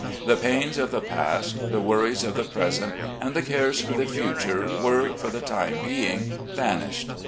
The pains of the past, the worries of the present, and the cares for the future were, for the time being, banished.